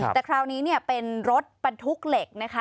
แต่คราวนี้เป็นรถบรรทุกเหล็กนะคะ